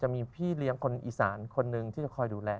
มีพี่เลี้ยงคนอีสานคนหนึ่งที่จะคอยดูแล